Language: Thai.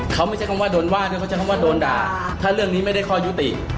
เขาไม่ใช่คำว่าโดนว่าด้วยเขาใช้คำว่าโดนด่าถ้าเรื่องนี้ไม่ได้ข้อยุติ